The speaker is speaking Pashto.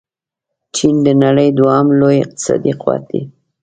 چين د نړۍ دوهم لوی اقتصادي قوت دې.